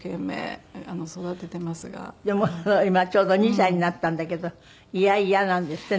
でも今ちょうど２歳になったんだけどイヤイヤなんですって？